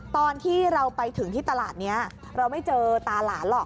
ตอนที่เราไปถึงที่ตลาดนี้เราไม่เจอตาหลานหรอก